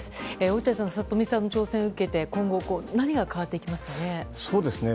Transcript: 落合さん里見さんの挑戦を受けて今後、何が変わっていきますかね。